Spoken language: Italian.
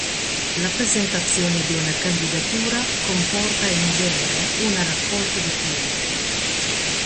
La presentazione di una candidatura comporta in genere una raccolta di firme.